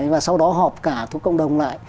và sau đó họp cả thuộc cộng đồng lại